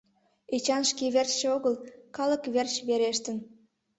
— Эчан шке верчше огыл, калык верч верештын.